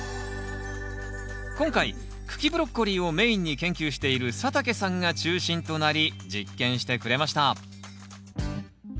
今回茎ブロッコリーをメインに研究している佐竹さんが中心となり実験してくれました